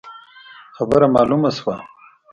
خبره مالومه شوه.